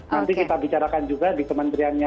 nanti kita bicarakan juga di kementeriannya